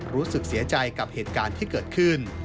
รู้สึกเสียใจกับเหตุการณ์ที่เกิดขึ้น